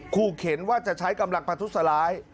คู่เข็นว่าจะใช้กำหลักปรารถุสลาย